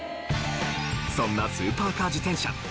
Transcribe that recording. そんなスーパーカー自転車